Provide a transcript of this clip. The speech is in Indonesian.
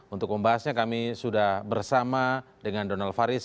untuk membahasnya kami sudah bersama dengan donald faris